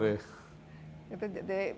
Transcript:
jadi buat wiki itu